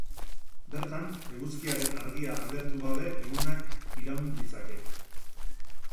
Bertan, eguzkiaren argia agertu gabe egunak iraun ditzake.